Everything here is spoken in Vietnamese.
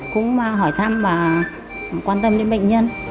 cũng hỏi thăm và quan tâm đến bệnh nhân